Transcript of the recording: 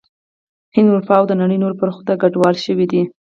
هند، اروپا او د نړۍ نورو برخو ته کډوال شوي دي